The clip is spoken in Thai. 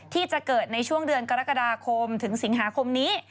ที่จะเกิดในช่วงเดือนกรกฎาคมถึงสิงหาคมนี้